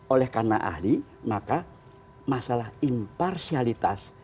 oleh karena ahli maka masalah imparsialitas